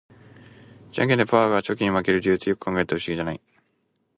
ジャンケンでパーがチョキに負ける理由って、よく考えたら不思議じゃない？